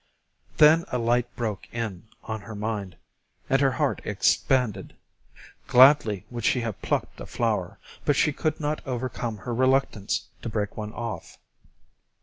Then a light broke in on her mind, and her heart expanded. Gladly would she have plucked a flower, but she could not overcome her reluctance to break one off.